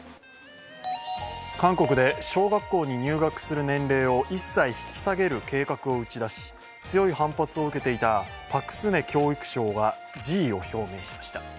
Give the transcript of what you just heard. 韓国で小学校に入学する年齢を１歳引き下げる計画を打ち出し強い反発を受けていたパク・スネ教育相が辞意を表明しました。